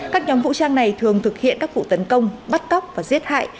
các nhóm vũ trang này thường thực hiện các vụ tấn công bắt cóc và giết hại